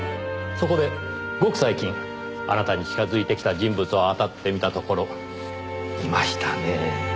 そこでごく最近あなたに近づいてきた人物をあたってみたところいましたねぇ。